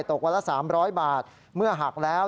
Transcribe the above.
ตกวันละ๓๐๐บาทเมื่อหักแล้ว